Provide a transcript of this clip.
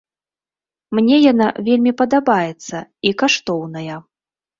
Мне яна вельмі падабаецца і каштоўная.